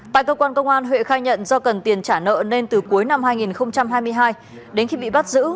tại cơ quan công an huệ khai nhận do cần tiền trả nợ nên từ cuối năm hai nghìn hai mươi hai đến khi bị bắt giữ